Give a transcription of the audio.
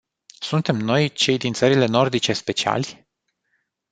Suntem noi cei din țările nordice speciali?